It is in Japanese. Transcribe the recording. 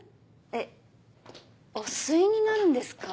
えっお吸いになるんですか？